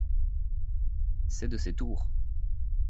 C’est de ses tours !